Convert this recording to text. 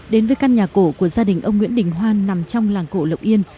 đến với căn nhà cổ của gia đình ông nguyễn đình hoan nằm trong làng cổ lộc yên